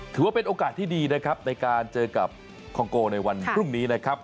ถือว่าเป็นโอกาสที่ดีนะครับในการเจอกับคองโกในวันพรุ่งนี้นะครับ